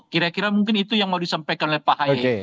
kira kira mungkin itu yang mau disampaikan oleh pak haye